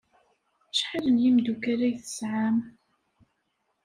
Acḥal n yimeddukal ay tesɛam?